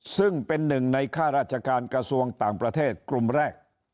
ซึ่งเป็นหนึ่งในค่าราชการกระทรวงต่างประเทศกลุ่มแรก